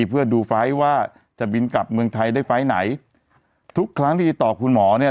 เพื่อดูไฟล์ว่าจะบินกลับเมืองไทยได้ไฟล์ไหนทุกครั้งที่ติดต่อคุณหมอเนี่ย